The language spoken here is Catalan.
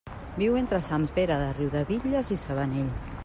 Viu entre Sant Pere de Riudebitlles i Sabanell.